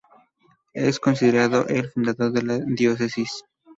Es considerado el fundador de la diócesis.